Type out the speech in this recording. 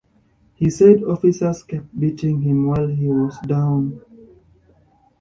He said officers kept beating him while he was down.